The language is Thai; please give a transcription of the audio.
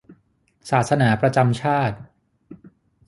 ศาสนาประจำชาติ